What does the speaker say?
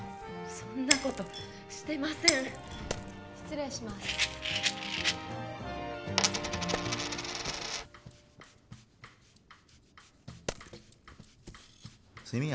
そんなことしてません失礼します睡眠薬？